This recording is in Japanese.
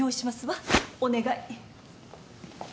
お願い。